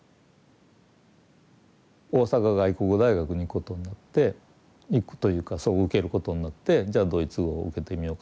大阪外国語大学に行くことになって行くというかそこを受けることになってじゃあドイツ語を受けてみようかなと。